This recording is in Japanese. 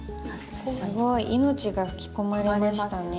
すごい。命が吹き込まれましたね。